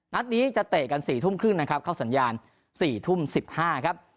นัดนี้จะเตะกัน๔ทุ่มครึ่งนะครับเข้าสัญญาณ๔ทุ่ม๑๕ครับ